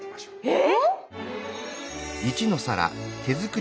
え